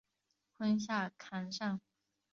坤下坎上。